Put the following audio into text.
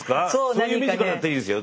そういうミュージカルだったらいいですよ。